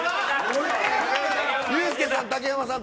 ユースケさん、竹山さん。